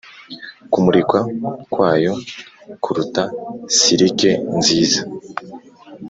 kumurika kwayo kuruta silike nziza ,